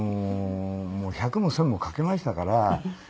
１００も１０００もかけましたから